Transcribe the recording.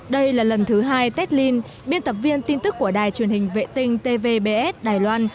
đây là lần thứ hai telen biên tập viên tin tức của đài truyền hình vệ tinh tvbs đài loan